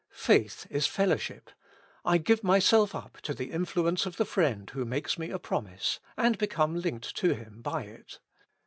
Faith is fellowship ; I give myself up to the influence of the friend who makes me a promise, and become linked to him by it.